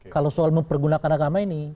kalau soal mempergunakan agama ini